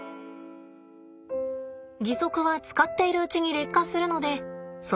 義足は使っているうちに劣化するのでそ